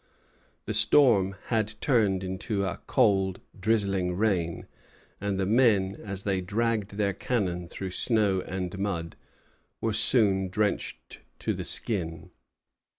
The storm had turned to a cold, drizzling rain, and the men, as they dragged their cannon through snow and mud, were soon drenched to the skin.